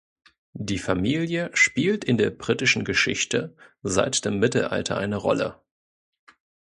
Die Familie spielt in der britischen Geschichte seit dem Mittelalter eine Rolle.